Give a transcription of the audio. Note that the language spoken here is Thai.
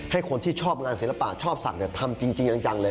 คนที่ชอบงานศิลปะชอบศักดิ์ทำจริงจังเลย